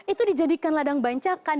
itu dijadikan ladang bancakan